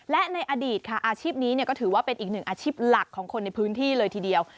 และในอดีตค่ะอาชีพนี้ก็ถือว่าเป็นอีกหนึ่งอาชีพหลักของคนในพื้นที่เลยทีเดียว